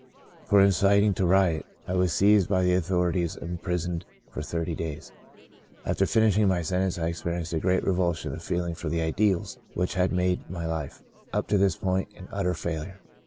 For in citing to riot, I was seized by the authorities and imprisoned for thirty days. After finish ing my sentence, I experienced a great re vulsion of feeling for the ideals which had made my life, up to this point, an utter failure.